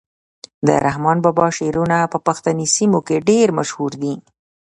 د رحمان بابا شعرونه په پښتني سیمو کي ډیر مشهور دي.